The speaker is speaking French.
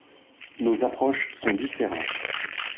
Nos approches sont différentes.